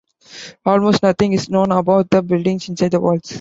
Almost nothing is known about the buildings inside the walls.